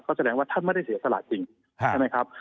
ก็แสดงว่าท่านไม่ได้เสียสละจริงใช่ไหมครับ